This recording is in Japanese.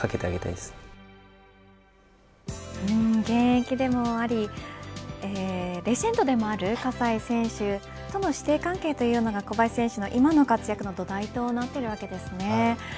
現役でもありレジェンドでもある葛西選手との師弟関係というのが小林選手の今の活躍の土台となっているわけですね。